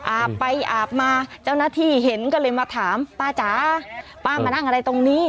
อาบไปอาบมาเจ้าหน้าที่เห็นก็เลยมาถามป้าจ๋าป้ามานั่งอะไรตรงนี้